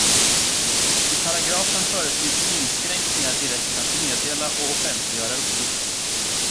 I paragrafen föreskrivs inskränkningar i rätten att meddela och offentliggöra uppgifter.